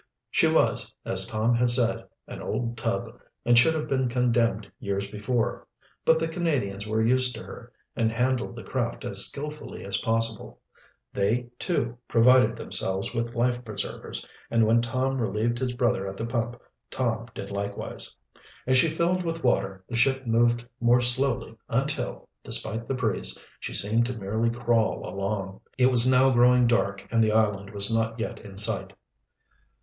She was, as Tom had said, an old "tub," and should have been condemned years before. But the Canadians were used to her and handled the craft as skillfully as possible. They, too, provided themselves with life preservers and, when Sam relieved his brother at the pump, Tom did likewise. As she filled with water the ship moved more slowly until, despite the breeze, she seemed to merely crawl along. It was now growing dark and the island was not yet in sight.